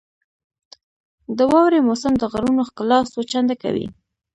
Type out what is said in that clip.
• د واورې موسم د غرونو ښکلا څو چنده کوي.